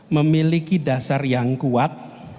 memiliki dasar yang kuat